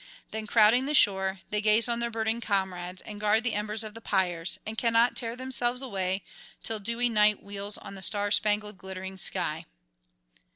Then, crowding the shore, they gaze on their burning comrades, and guard the embers of the pyres, and cannot tear themselves away till dewy Night wheels on the star spangled glittering sky.